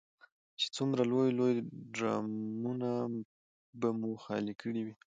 چې څومره لوی لوی ډرمونه به مو خالي کړي وي.